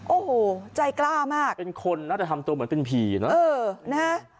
โอ้โหใจกล้ามากเป็นคนนะแต่ทำตัวเหมือนเป็นผีนะเออนะฮะ